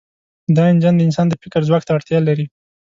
دا انجن د انسان د فکر ځواک ته اړتیا لري.